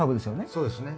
そうですね。